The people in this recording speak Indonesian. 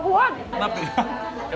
aku yang gak pedes aja ya